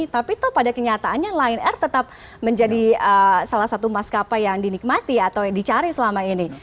tapi pada kenyataannya line r tetap menjadi salah satu maskapa yang dinikmati atau dicari selama ini